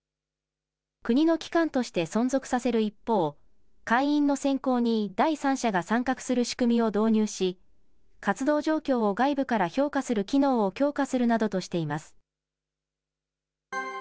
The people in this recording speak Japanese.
国の機関として存続させる一方、会員の選考に第三者が参画する仕組みを導入し、活動状況を外部から評価する機能を強化するなどとしています。